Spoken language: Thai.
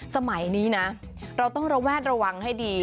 สมัยนี้นะเราต้องระแวดระวังให้ดี